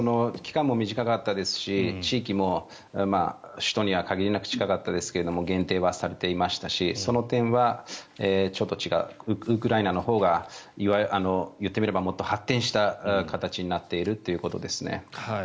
期間も短かったですし地域も首都には限りなく近かったですが限定はされていましたしその点はちょっと違うウクライナのほうが言ってみればもっと発展した形になっているということですね。